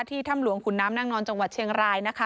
ถ้ำหลวงขุนน้ำนางนอนจังหวัดเชียงรายนะคะ